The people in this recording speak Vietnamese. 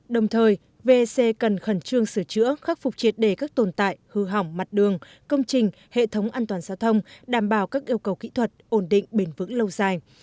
đồng thời vec cần khẩn trương sửa chữa khắc phục triệt đề các tồn tại hư hỏng mặt đường công trình hệ thống an toàn giao thông đảm bảo các yêu cầu kỹ thuật ổn định bền vững lâu dài